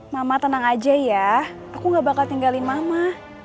mama tenang aja ya aku gak bakal tinggalin mama